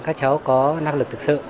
các cháu có năng lực thực sự